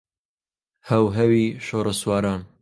هەوهەوی شۆڕەسواران